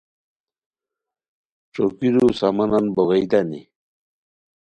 ݯوکیرو سامانن بوغئیتانی